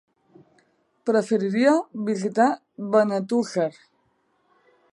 Preferiria visitar Benetússer.